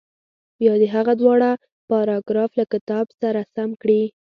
بیا دې هغه دواړه پاراګراف له کتاب سره سم کړي.